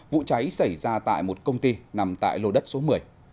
vụ cháy xảy ra tại một công ty nằm tại lô đất số một mươi